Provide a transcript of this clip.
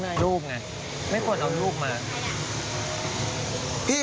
นายก็หนูก็หนึ่งเงินให้ม่าโน่อยุ่งไม่ได้